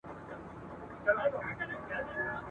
خو ستا پر شونډو به ساتلی یمه !.